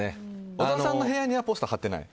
小澤さんの部屋にはポスター貼ってない？